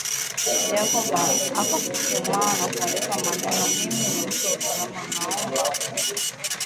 Jacob akachuchumaa na kuandika manenomimi ni mtu wa usalama naomba kuona ulimi wako